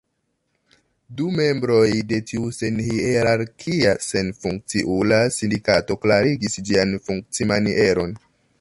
Du membroj de tiu senhierarkia, senfunkciula sindikato klarigis ĝian funkcimanieron.